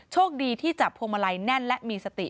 โชคดีที่จับพวงมาลัยแน่นและมีสติ